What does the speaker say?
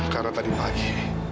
karena tadi pagi